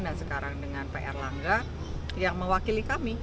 dan sekarang dengan pr langga yang mewakili kami